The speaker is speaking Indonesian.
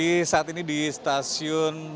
kondisi saat ini di stasiun